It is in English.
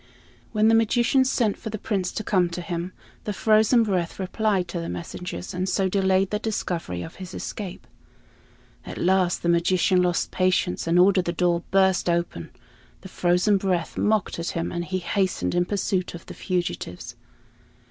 When the magician sent for the Prince to come to him, the frozen breath replied to the messengers, and so delayed the discovery of his escape. At last the magician lost patience and ordered the door burst open. The frozen breath mocked at him, and he hastened in pursuit of the fugitives.